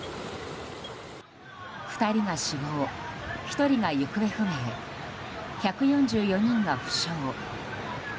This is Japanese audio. ２人が死亡、１人が行方不明１４４人が負傷。